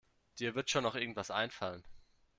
Dir wird schon noch irgendetwas einfallen.